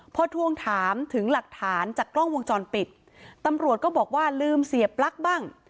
พอทวงถามถึงหลักฐานจากกล้องวงจรปิดตำรวจก็บอกว่าลืมเสียปลั๊กบ้าง